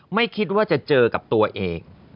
ไม่คิดว่าจะเจอกับตัวเอง